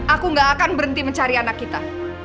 aku gak akan berhenti mencari anak kita